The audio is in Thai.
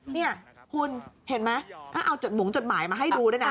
เนี่ยคุณเห็นมั้ยเอาหมุงจดหมายมาให้ดูด้วยนะ